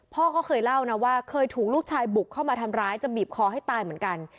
พ่อก็เคยเล่านะว่าเคยถูกลูกชายบุกเข้ามาทำร้ายจะบีบคอให้ตายเหมือนกัน